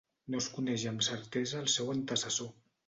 No es coneix amb certesa el seu antecessor.